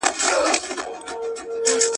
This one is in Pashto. له کرکي او بېزارۍ څخه اسانه بل څه نسته